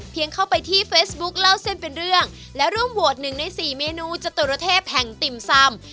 เข้าไปที่เฟซบุ๊คเล่าเส้นเป็นเรื่องและร่วมโหวตหนึ่งในสี่เมนูจตุรเทพแห่งติ่มซำ